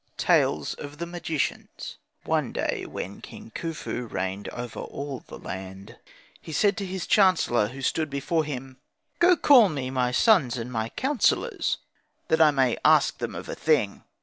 TALES OF THE MAGICIANS One day, when King Khufu reigned over all the land, he said to his chancellor, who stood before him, "Go call me my sons and my councillors, that I may ask of them a thing."